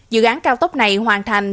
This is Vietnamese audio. dự án cao tốc này hoàn thành